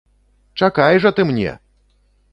Чакай жа ты мне!